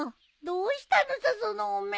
どうしたのさそのお面。